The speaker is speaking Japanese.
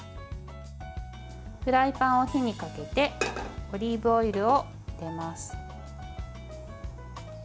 フライパンを火にかけてオリーブオイルを入れます。